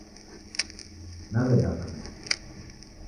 Naw'edamba nakio